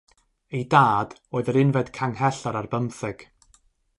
Ei dad oedd yr unfed Canghellor ar bymtheg.